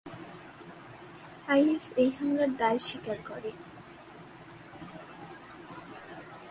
Is এই হামলার দায় স্বীকার করে।